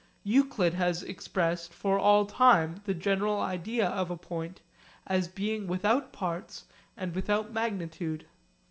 Euclid has expressed for all time the general idea of a point, as being without parts and without magnitude.